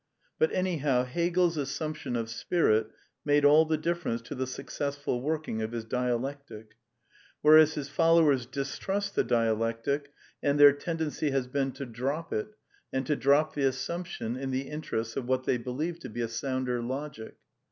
But, anyhow, Hegel's assumption of Spirit made all the difference to the successful working oir^ his Dialectic ; whereas his followers distrust the Dialectic, 202 A DEFENCE OF IDEALISM and their tendency has been to drop it, and to drop the as sumption in the interests of what they believe to be a sounder logic.